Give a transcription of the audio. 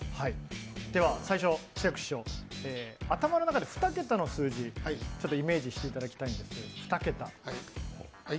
では、最初、志らく師匠、頭の中に２桁の数字をイメージしていただきたいんですけれども。